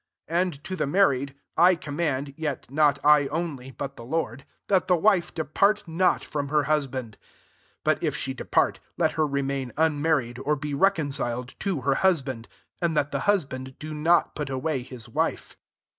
10 And to the n^arried, I com i mand, yet not I only but the Lord, that the wife depart not from her husband: 11 (but if she depart, let her remaia ue married, or be reconciled to ker husband:) and that the hus band do not put away Am wife.